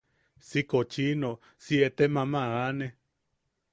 Si kochino, si etem ama aane.